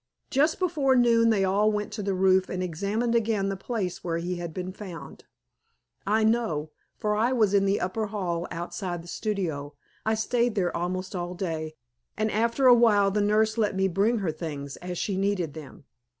Just before noon they all went to the roof and examined again the place where he had been found. I know, for I was in the upper hall outside the studio. I stayed there almost all day, and after a while the nurse let me bring her things as she needed them.